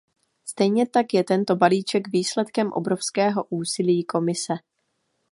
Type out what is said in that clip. Stejně tak je tento balíček výsledkem obrovského úsilí Komise.